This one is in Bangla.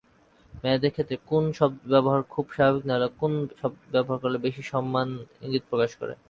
মেয়েদের ক্ষেত্রে "কুন" ব্যবহার খুব স্বাভাবিক না হলেও, "কুন" ব্যবহার করলে বেশি সম্মান ইঙ্গিত করে।